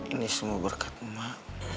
ini semua berkat emak